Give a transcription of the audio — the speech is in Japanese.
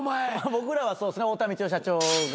僕らはそうですね太田光代社長が。